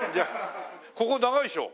ここ長いでしょ？